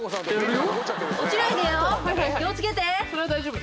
それは大丈夫。